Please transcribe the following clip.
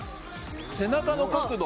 背中の角度